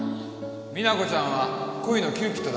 実那子ちゃんは恋のキューピッドだ